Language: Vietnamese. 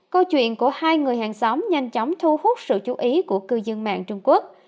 câu chuyện của hai người hàng xóm nhanh chóng thu hút sự chú ý của cư dân mạng trung quốc